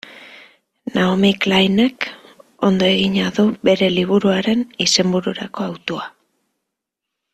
Naomi Kleinek ondo egina du bere liburuaren izenbururako hautua.